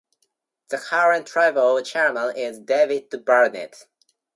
The current tribal chairman is David Burnett.